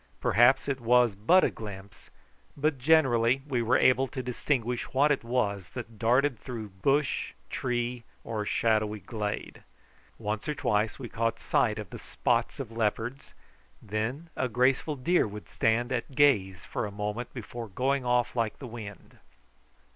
Perhaps it was but a glimpse, but generally we were able to distinguish what it was that darted through bush, tree, or shadowy glade. Once or twice we caught sight of the spots of leopards; then a graceful deer would stand at gaze for a moment before going off like the wind.